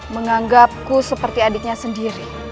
menganggapku seperti adiknya sendiri